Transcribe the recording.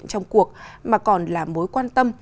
trong cuộc mà còn là mối quan tâm